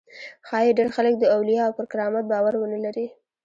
ښایي ډېر خلک د اولیاوو پر کرامت باور ونه لري.